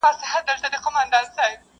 د حاکم سترگي له قهره څخه سرې سوې٫